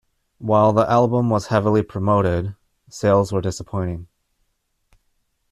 While the album was heavily promoted, sales were disappointing.